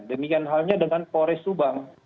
demikian halnya dengan polres subang